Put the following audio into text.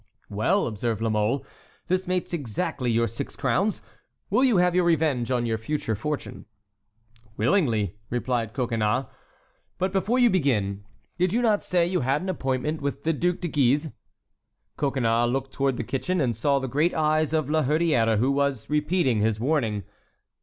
"Well," observed La Mole, "this makes exactly your six crowns. Will you have your revenge on your future fortune?" "Willingly," replied Coconnas. "But before you begin, did you not say you had an appointment with the Duc de Guise?" Coconnas looked toward the kitchen, and saw the great eyes of La Hurière, who was repeating his warning.